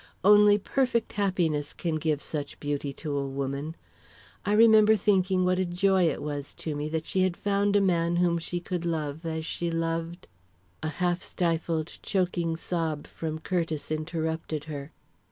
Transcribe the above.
Only perfect happiness can give such beauty to a woman. I remember thinking what a joy it was to me that she had found a man whom she could love as she loved " A half stifled, choking sob from Curtiss interrupted her.